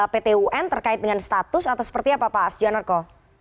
pt un terkait dengan status atau seperti apa pak sujanarko